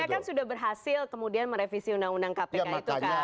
kpk kan sudah berhasil kemudian merevisi undang undang kpk itu kan